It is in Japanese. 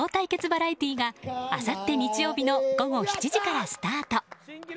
バラエティーがあさって日曜日の午後７時からスタート。